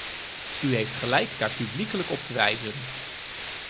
U heeft gelijk daar publiekelijk op te wijzen.